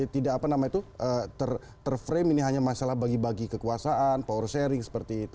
tidak apa namanya itu terframe ini hanya masalah bagi bagi kekuasaan power sharing seperti itu